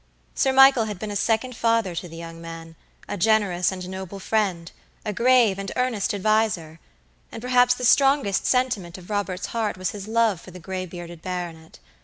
Sir Michael had been a second father to the young man, a generous and noble friend, a grave and earnest adviser; and perhaps the strongest sentiment of Robert's heart was his love for the gray bearded baronet.